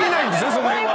その辺は。